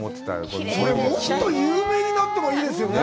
これ、もっと有名になってもいいですよね。